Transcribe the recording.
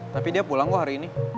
tapi dia pulang kok hari ini